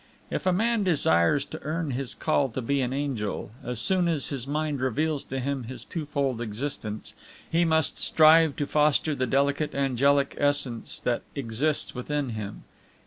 If a man desires to earn his call to be an angel, as soon as his mind reveals to him his twofold existence, he must strive to foster the delicate angelic essence that exists within him.